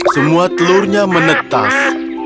semua telurnya menetas